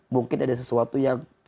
mungkin ada sesuatu yang